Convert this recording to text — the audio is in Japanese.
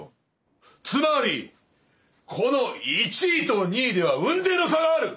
つまりこの１位と２位では雲泥の差がある！